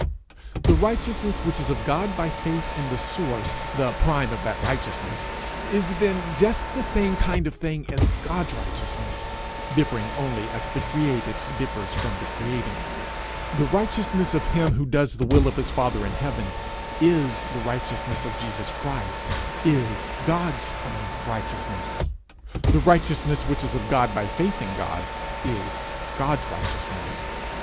The righteousness which is of God by faith in the source, the prime of that righteousness, is then just the same kind of thing as God's righteousness, differing only as the created differs from the creating. The righteousness of him who does the will of his father in heaven, is the righteousness of Jesus Christ, is God's own righteousness. The righteousness which is of God by faith in God, is God's righteousness.